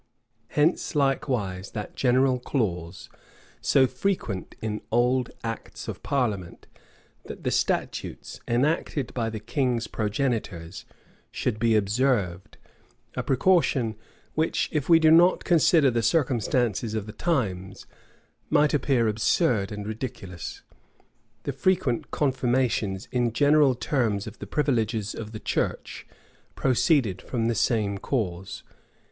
Hence likewise that general clause, so frequent in old acts of parliament, that the statutes, enacted by the king's progenitors, should be observed;[] a precaution which, if we do not consider the circumstances of the times, might appear absurd and ridiculous. The frequent confirmations in general terms of the privileges of the church proceeded from the same cause.